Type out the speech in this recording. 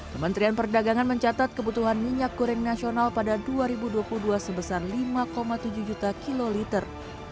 kementerian perdagangan mencatat kebutuhan minyak goreng nasional pada dua ribu dua puluh dua sebesar lima tujuh juta kiloliter